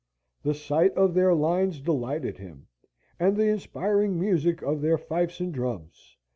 The sight of their lines delighted him, and the inspiring music of their fifes and drums.